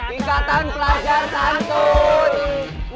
ikatan pelajar santun